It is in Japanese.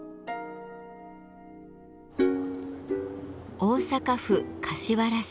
大阪府柏原市。